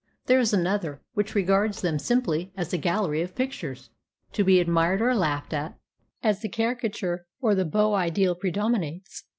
There is another, which regards them simply as a gallery of pictures, to be admired or laughed at as the caricature or the beau ideal predominates.